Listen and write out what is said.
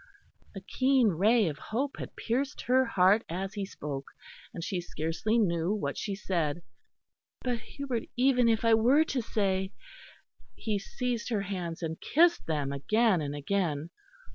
A keen ray of hope had pierced her heart as he spoke; and she scarcely knew what she said. "But, Hubert, even if I were to say " He seized her hands and kissed them again and again.